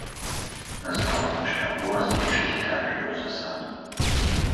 На зваротным шляху разведчыкі трапілі ў засаду.